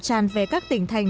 tràn về các tỉnh thành